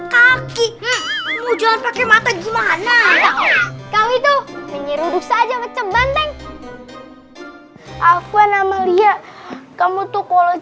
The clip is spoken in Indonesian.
kaki mu jalan pakai mata gimana kau itu menyiru saja mencembang tank apa nama lia kamu tuh kalau